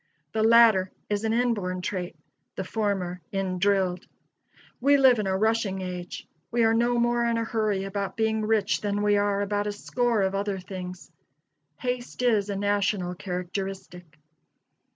The latter is an inborn trait; the former in drilled. We live in a rushing age. We are no more in a hurry about being rich than we are about a score of other things. Haste is a national characteristic.